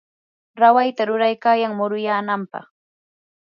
rawayta ruraykayan muruyanampaq.